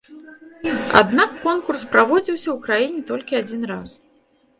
Аднак конкурс праводзіўся ў краіне толькі адзін раз.